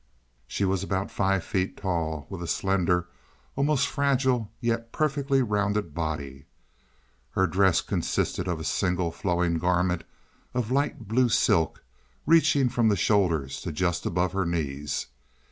She was about five feet tall, with a slender, almost fragile, yet perfectly rounded body. Her dress consisted of a single flowing garment of light blue silk, reaching from the shoulders to just above her knees.